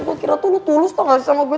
gue kira tuh lo tulus tau gak bisa sama gue